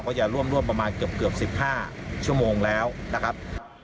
จะร่วมประมาณเกือบ๑๕ชั่วโมงแล้วนะครับ